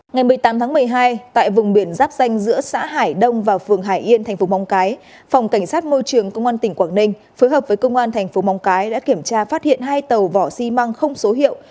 ngày một mươi tám tháng một mươi hai tại vùng biển giáp danh giữa xã hải đông và phường hải yên thành phố móng cái phòng cảnh sát môi trường công an tỉnh quảng ninh phối hợp với công an thành phố móng cái đã kiểm tra phát hiện hai tàu vỏ xi măng không số hiệu